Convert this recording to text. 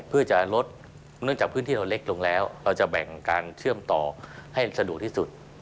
เพื่อจะลดเนื่องจากพื้นที่เราเล็กลงแล้วเราจะแบ่งการเชื่อมต่อให้สะดวกที่สุด